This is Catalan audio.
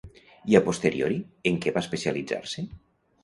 I a posteriori en què va especialitzar-se?